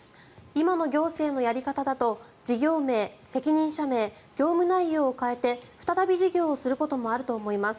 今の行政のやり方だと事業名、責任者名業務内容を変えて再び事業することもあると思います。